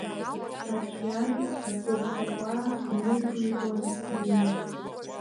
Аҵәҩан ақыдсаҟәа инықәикуан Ҭамел.